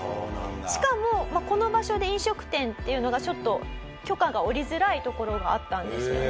しかもこの場所で飲食店っていうのがちょっと許可が下りづらいところがあったんですよね？